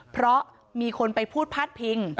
เพราะมีคนไปพูดพาดพิง